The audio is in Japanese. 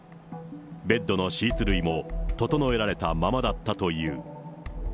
ベッドのシーツ類も整えられたままだったという。